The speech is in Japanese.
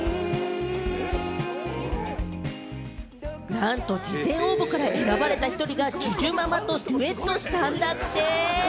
なんと事前応募から選ばれた１人が、ＪＵＪＵママとデュエットしたんだって。